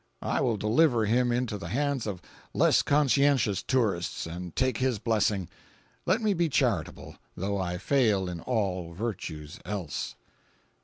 I will deliver him into the hands of less conscientious tourists and take his blessing. Let me be charitable, though I fail in all virtues else.